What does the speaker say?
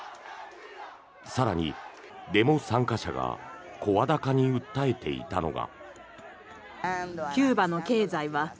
更に、デモ参加者が声高に訴えていたのが。